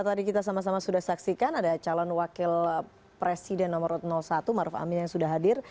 tadi kita sama sama sudah saksikan ada calon wakil presiden nomor satu maruf amin yang sudah hadir